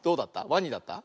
ワニだった？